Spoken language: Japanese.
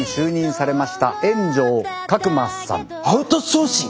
アウトソーシング？